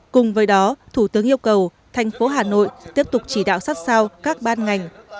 cùng với đó thủ tướng yêu cầu thành phố hà nội tiếp tục chỉ đạo sát sao các ban ngành